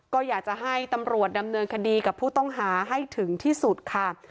ก็อยากจะให้ตำรวจดำเนินคดีกับผู้ต้องหาให้ถึงที่สุดค่ะ